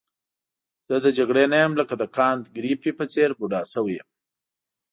زه د جګړې نه یم لکه د کانت ګریفي په څېر بوډا شوی یم.